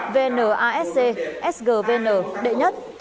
vn asc sgvn đệ nhất